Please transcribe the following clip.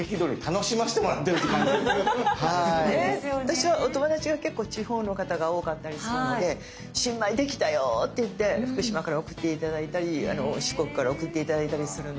私はお友達が結構地方の方が多かったりするので新米できたよって言って福島から送って頂いたり四国から送って頂いたりするので。